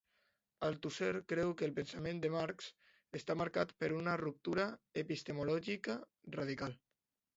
Althusser creu que el pensament de Marx està marcat per una ruptura epistemològica radical.